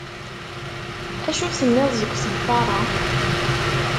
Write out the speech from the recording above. Acu tenniḍ deg usenfaṛ-a?